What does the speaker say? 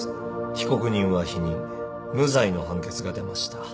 被告人は否認無罪の判決が出ました